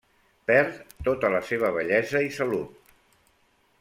Perd tota la seva bellesa i salut.